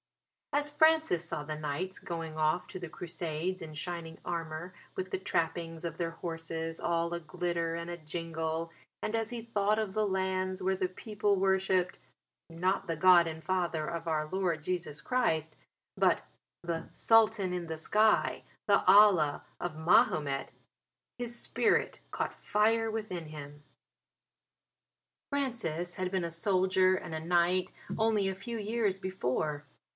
As Francis saw the knights going off to the Crusades in shining armour with the trappings of their horses all a glitter and a jingle, and as he thought of the lands where the people worshipped not the God and Father of our Lord Jesus Christ but the "Sultan in the Sky," the Allah of Mahomet, his spirit caught fire within him. Francis had been a soldier and a knight only a few years before.